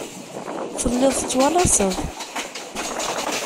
Telliḍ tettwalaseḍ.